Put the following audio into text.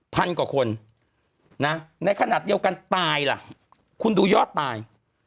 พันกว่าคนนะในขณะเดียวกันตายล่ะคุณดูยอดตาย